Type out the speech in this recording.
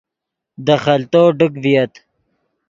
دے خلتو ڈک ڤییت